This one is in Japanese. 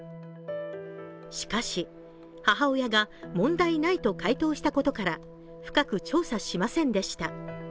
しかし母親が問題ないと回答したことから深く調査しませんでした。